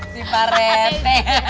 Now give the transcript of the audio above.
si pak rete